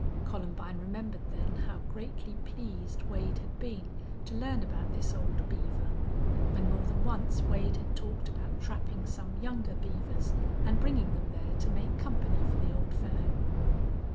Columbine remembered then how greatly pleased Wade had been to learn about this old beaver; and more than once Wade had talked about trapping some younger beavers and bringing them there to make company for the old fellow.